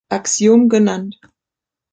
Axiom genannt.